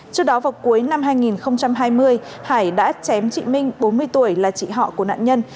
trước đó vào cuối năm hai nghìn hai mươi hải đã chém chị minh bốn mươi tuổi là chị họ của nạn nhân